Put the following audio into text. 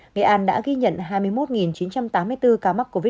nghệ an đã ghi nhận hai mươi một chín trăm tám mươi bốn ca mắc covid một mươi chín